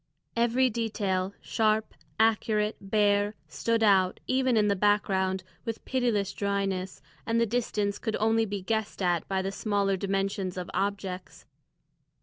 Every detail, sharp, accurate, bare, stood out, even in the background, with pitiless dryness, and the distance could only be guessed at by the smaller dimensions of objects.